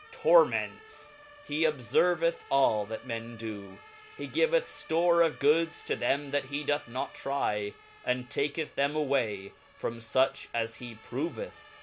torments j he obier vethall that men do; he giveth (lore of goods to them that he doth not try, and takerh them away from fuch as he pro veth.